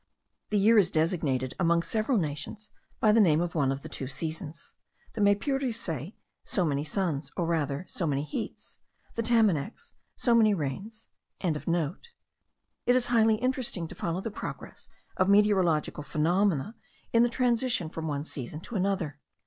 The year is designated, among several nations, by the name of one of the two seasons. The Maypures say, so many suns, (or rather so many heats;) the Tamanacs, so many rains.), it is highly interesting to follow the progress of meteorological phenomena in the transition from one season to another.